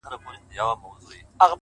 گراني بس څو ورځي لاصبر وكړه،